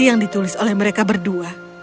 yang ditulis oleh mereka berdua